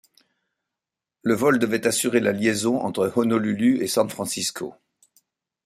Le vol devait assurer la liaison entre Honolulu et San Francisco.